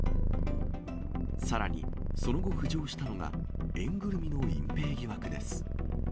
さらに、その後、浮上したのが、園ぐるみの隠蔽疑惑です。